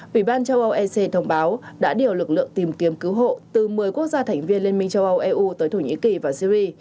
ủy ban châu âu ec thông báo đã điều lực lượng tìm kiếm cứu hộ từ một mươi quốc gia thành viên liên minh châu âu eu tới thổ nhĩ kỳ và syri